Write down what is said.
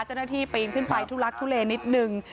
เจ้าหน้าที่ปีนขึ้นไปทุลักทุเลนิดหนึ่ง